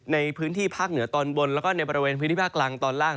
ในพื้นที่ภาคเหนือตอนบนแล้วก็ในบริเวณพื้นที่ภาคกลางตอนล่าง